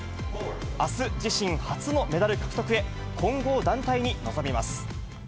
あす、自身初のメダル獲得へ、混合団体に臨みます。